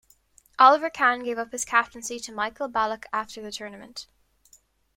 Oliver Kahn gave up his captaincy to Michael Ballack after the tournament.